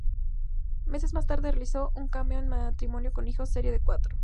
Meses más tarde realizó un cameo en "Matrimonio con hijos", serie de Cuatro.